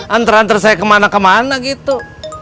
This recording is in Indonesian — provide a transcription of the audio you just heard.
anter anter saya kemana kemana gitu